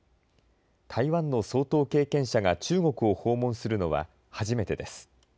台湾の総統経験者が中国を訪問するのは初めてです。